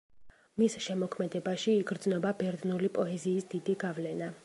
მის შემოქმედებაში იგრძნობა ბერძნული პოეზიის დიდი გავლენა.